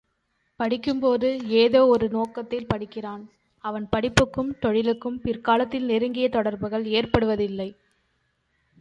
படிக்கும்போது ஏதோ ஒரு நோக்கத்தில் படிக்கிறான் அவன் படிப்புக்கும் தொழிலுக்கும் பிற்காலத்தில் நெருங்கிய தொடர்புகள் ஏற்படுவதில்லை.